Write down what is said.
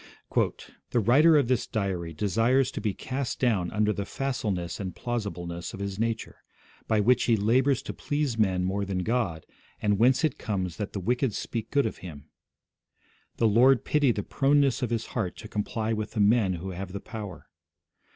'The writer of this diary desires to be cast down under the facileness and plausibleness of his nature, by which he labours to please men more than God, and whence it comes that the wicked speak good of him ... The Lord pity the proneness of his heart to comply with the men who have the power